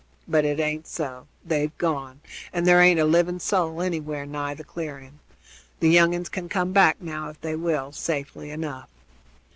But it aint so; they've gone, and there aint a living soul anywhere nigh the clearing. The young uns can come back now, if they will, safely enough."